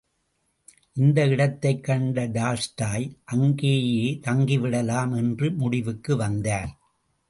இந்த இடத்தைக் கண்ட டால்ஸ்டாய் அங்கேயே தங்கி விடலாம் என்ற முடிவுக்கு வந்தார்.